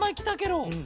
うん。